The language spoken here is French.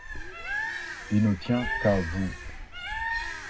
Il ne tient qu’à vous.